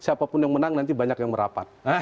siapapun yang menang nanti banyak yang merapat